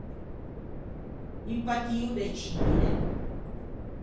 Un patio de cine.